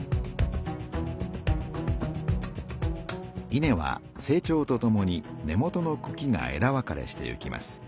稲は成長とともに根元のくきがえだ分かれしていきます。